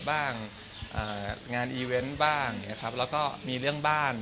บ้านของผมเองบ้างก็เลยแบบเต็มทุกวันเลยครับ